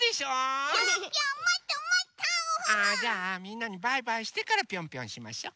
あじゃあみんなにバイバイしてからピョンピョンしましょ。